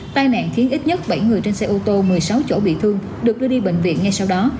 tai nạn khiến ít nhất bảy người trên xe ô tô một mươi sáu chỗ bị thương được đưa đi bệnh viện ngay sau đó